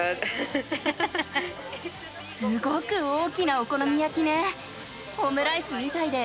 すごく大きなお好み焼きね。